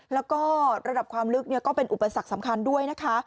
แล้วก็ระดับความลึกก็เป็นอุปสรรคสำคัญด้วยนะคะ